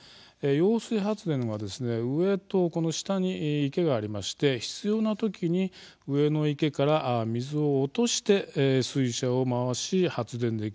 揚水発電は上と下に池がありまして必要なときに上の池から水を落として水車を回し、発電できる。